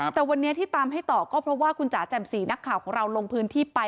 แต่วันนี้ที่ตามให้ต่อก็เพราะว่าคุณจ๋าแจ่มสีนักข่าวของเราลงพื้นที่ไป